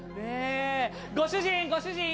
ご主人、ご主人。